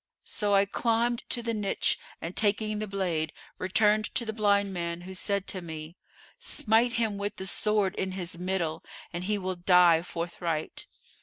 So I climbed to the niche and taking the blade, returned to the blind man, who said to me, 'Smite him with the sword in his middle, and he will die forthright.